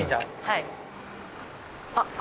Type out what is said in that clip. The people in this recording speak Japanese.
はい。